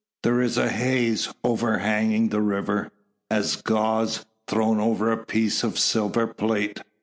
There is a haze overhanging the river, as gauze thrown over a piece of silver plate.